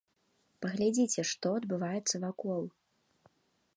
Паглядзіце, што адбываецца вакол.